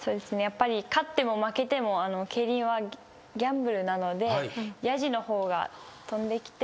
勝っても負けても競輪はギャンブルなのでヤジが飛んできて。